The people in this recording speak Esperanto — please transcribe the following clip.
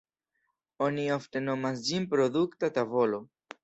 Oni ofte nomas ĝin produkta tavolo.